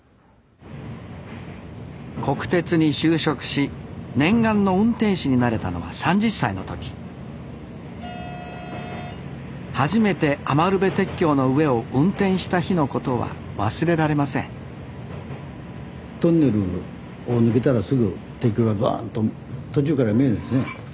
国鉄に就職し念願の運転士になれたのは３０歳の時初めて余部鉄橋の上を運転した日のことは忘れられませんトンネルを抜けたらすぐ鉄橋がバーンと途中から見えるんですね。